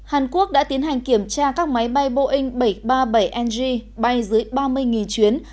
hàn quốc đã tiến hành kiểm tra các máy bay boeing bảy trăm ba mươi bảy ng bay dưới ba mươi chuyến